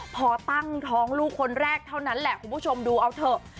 พอตั้งท้องลูกคนแรกเท่านั้นแหละคุณผู้ชมดูเอาเถอะ